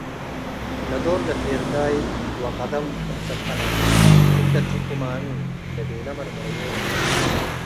ለዶል ለፌርዳይ፤ “ወቀደም hh ክምሰል ቀነጽኩም እለ ትርኡ ማ ሚ?" እንዴ ቤለ መርመረዮም።